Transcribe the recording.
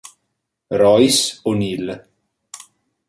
Royce O'Neale